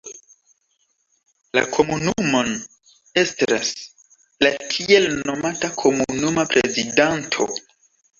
La komunumon estras la tiel nomata komunuma prezidanto.